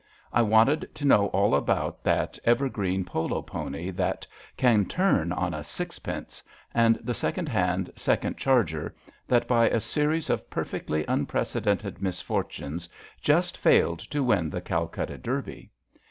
I wanted to know all about that evergreen polo pony that can turn on a six pence, '^ and the second hand second charger that, by a series of perfectly unprecedented misfor tunes, just failed to win the Calcutta Derby.